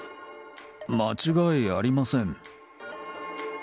間違いありません。